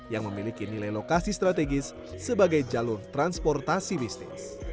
yang memiliki nilai lokasi strategis sebagai jalur transportasi bisnis